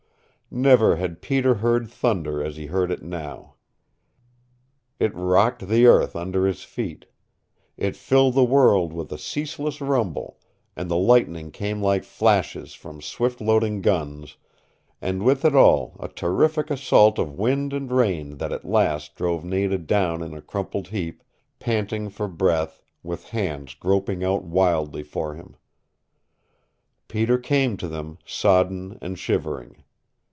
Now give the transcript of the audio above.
Never had Peter heard thunder as he heard it now. It rocked the earth under his feet. It filled the world with a ceaseless rumble, and the lightning came like flashes from swift loading guns, and with it all a terrific assault of wind and rain that at last drove Nada down in a crumpled heap, panting for breath, with hands groping out wildly for him. Peter came to them, sodden and shivering.